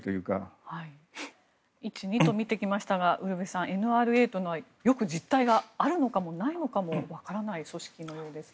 １、２と見てきましたがＮＲＡというのは実態があるのかもないのかも分からない組織のようです。